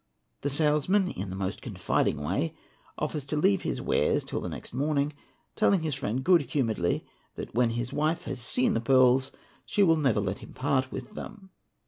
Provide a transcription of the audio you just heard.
The salesman in the most confiding way offers to leave his wares till the next morning, _ telling his friend good humouredly that when his wife has seen the pearls she will never let him part with them.